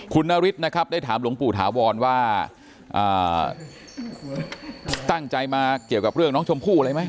คุณนฤทธินะครับได้ถามหลวงปู่ถาวรว่าตั้งใจมาเกี่ยวกับเรื่องน้องชมพู่อะไรไหม